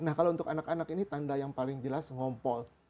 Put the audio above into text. nah kalau untuk anak anak ini tanda yang paling jelas ngompol